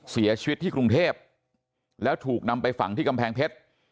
เสียชีวิตที่กรุงเทพแล้วถูกนำไปฝังที่กำแพงเพชร